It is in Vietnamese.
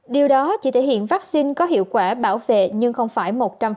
điều đó chỉ thể hiện vaccine có hiệu quả bảo vệ nhưng không phải một trăm linh